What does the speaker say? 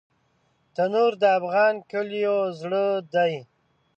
تنور د افغان کلیو زړه دی